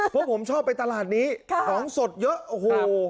เพราะผมชอบไปตลาดนี้ของสดเยอะโอ้โห